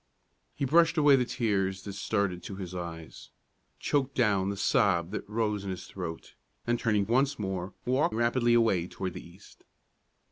He brushed away the tears that started to his eyes, choked down the sob that rose in his throat, and turning once more, walked rapidly away toward the east.